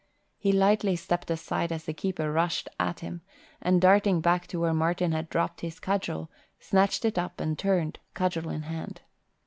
He lightly stepped aside as the keeper rushed at him, and darting back to where Martin had dropped his cudgel, snatched it up and turned, cudgel in hand.